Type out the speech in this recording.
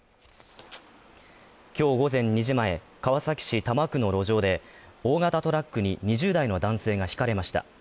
今日午前２時前、川崎市多摩区の路上で、大型トラックに２０代の男性がひかれました。